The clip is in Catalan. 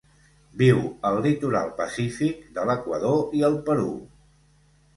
Viu al litoral pacífic de l'Equador i el Perú.